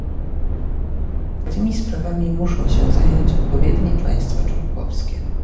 Tymi sprawami muszą się zająć odpowiednie państwa członkowskie